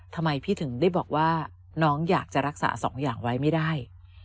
ทำไมพี่ถึงได้บอกว่าน้องอยากจะรักษาสองอย่างไว้ไม่ได้